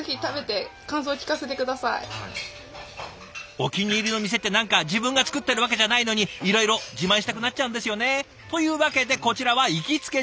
お気に入りの店って何か自分が作ってるわけじゃないのにいろいろ自慢したくなっちゃうんですよね。というわけでこちらは行きつけ自慢。